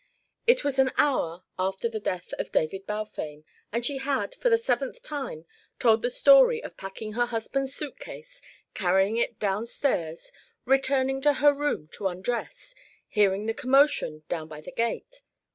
It was an hour after the death of David Balfame and she had, for the seventh time, told the story of packing her husband's suit case, carrying it down stairs, returning to her room to undress, hearing the commotion down by the gate.